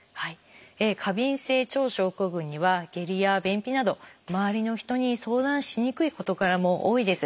過敏性腸症候群には下痢や便秘など周りの人に相談しにくい事柄も多いです。